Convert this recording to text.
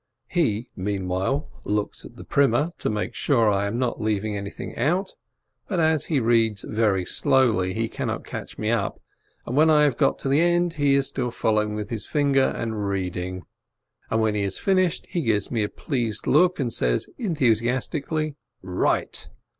• He, meanwhile, looks at the primer, to make sure I am not leaving anything out, but as he reads very slowly, he cannot catch me up, and when I have got to the end, he is still following with his finger and reading. And when he has finished, he gives me a pleased look, and says enthusiastically "Right!"